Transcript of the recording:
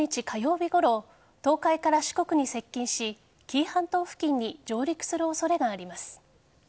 日ごろ東海から四国に接近し紀伊半島付近に上陸する恐れがあります。